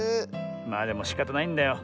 まあでもしかたないんだよ。